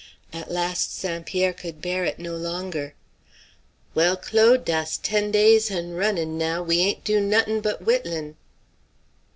At last St. Pierre could bear it no longer. "Well, Claude, dass ten days han' runnin' now, we ain't do not'in' but whittlin'."